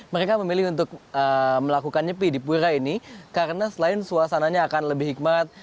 mereka memilih untuk melakukan nyepi di pura ini karena selain suasananya akan lebih hikmat